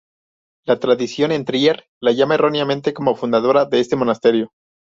La tradición en Trier, la llama erróneamente como fundadora de este monasterio.